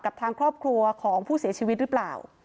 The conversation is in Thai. กับทางครอบครัวของผู้เสียชีวิตหรือเปล่า